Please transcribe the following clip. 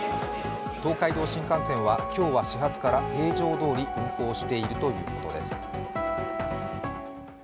東海道新幹線は今日は始発から平常どおり運行しているということです。